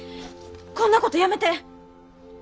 こんな事やめて！